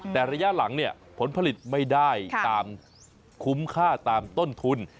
แต่ระยะหลังเนี่ยผลผลิตไม่ได้ตามคุ้มค่าตามต้นทุน